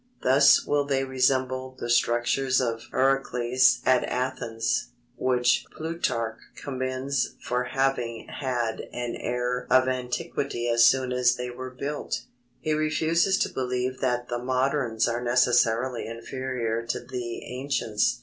Thus will they resemble the structures of Pericles at Athens, which Plutarch commends for having had an air of antiquity as soon as they were built." He refuses to believe that the moderns are necessarily inferior to the ancients.